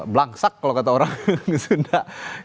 belangsak kalau kata orang sunda